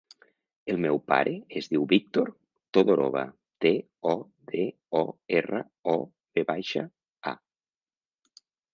El meu pare es diu Víctor Todorova: te, o, de, o, erra, o, ve baixa, a.